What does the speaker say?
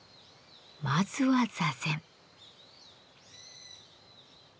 まずは座禅。